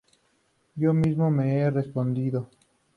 Yo mismo me he sorprendido.